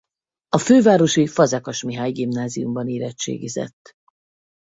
A fővárosi Fazekas Mihály Gimnáziumban érettségizett.